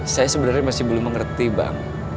saya sebenarnya masih belum mengerti bang